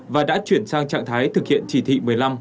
và đã chuyển sang trạng thái thực hiện chỉ thị một mươi năm